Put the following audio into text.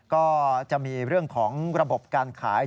ก็จะมีเรื่องของระบบการขาย